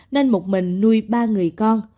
nên một mình nuôi ba người con